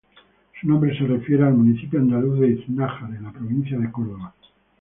Su nombre se refiere al municipio andaluz de Iznájar, en la provincia de Córdoba.